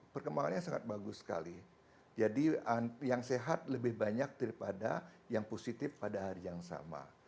perkembangannya sangat bagus sekali jadi yang sehat lebih banyak daripada yang positif pada hari yang sama